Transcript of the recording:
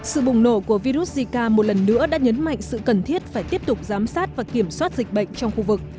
sự bùng nổ của virus zika một lần nữa đã nhấn mạnh sự cần thiết phải tiếp tục giám sát và kiểm soát dịch bệnh trong khu vực